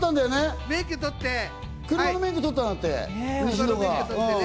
車の免許とったんだって、西野が。